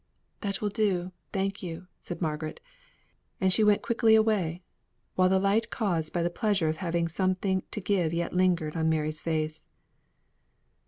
"That will do, thank you," said Margaret; and she went quickly away, while the light caused by the pleasure of having something to give yet lingered on Mary's face.